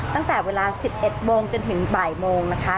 ตั้งแต่เวลา๑๑โมงจนถึงบ่ายโมงนะคะ